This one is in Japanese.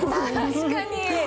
確かに。